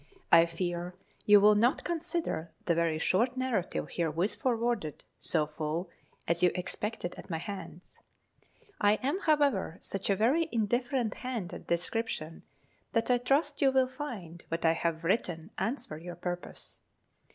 I fear you will not consider the very short narrative herewith forwarded so full as you expected at my hands. I am, however, such a very indifferent hand at description, that I trust you will find what I have written answer your pur pose.